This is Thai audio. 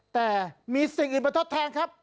แต่มีสิ่งอื่นประทดแทนครับ